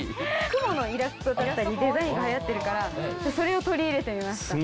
雲のイラストだったりデザインが流行ってるからそれを取り入れてみました。